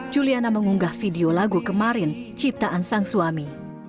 juliana mengunggah video lagu kemarin ciptaan sang suami